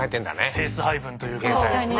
ペース配分というか。